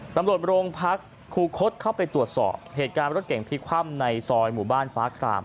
ตำรวจโรงพักครูคดเข้าไปตรวจสอบเหตุการณ์รถเก่งพลิกคว่ำในซอยหมู่บ้านฟ้าคราม